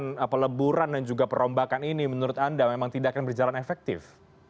kemudian peleburan dan juga perombakan ini menurut anda memang tidak akan berjalan efektif